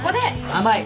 甘い！